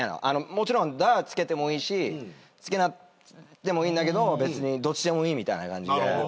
もちろん「ｔｈｅ」付けてもいいし付けなくてもいいんだけど別にどっちでもいいみたいな感じで。